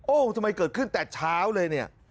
โอ้โหทำไมเกิดขึ้นแต่เช้าเลยเนี่ย